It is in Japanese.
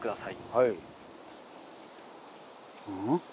はい。